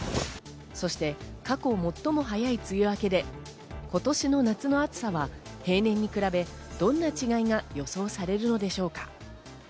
そして、過去最も早い梅雨明けで今年の夏の暑さは平年に比べ、どんな違いが予想されるのでしょうか。